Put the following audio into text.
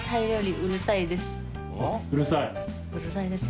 うるさいですね。